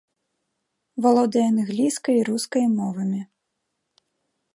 Валодае англійскай і рускай мовамі.